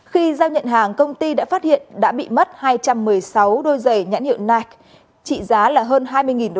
khi giao nhận hàng công ty đã phát hiện đã bị mất hai trăm một mươi sáu đôi giày nhãn hiệu nige trị giá là hơn hai mươi usd